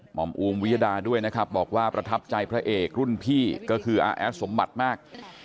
อมอูมวิยดาด้วยนะครับบอกว่าประทับใจพระเอกรุ่นพี่ก็คืออาแอดสมบัติมาก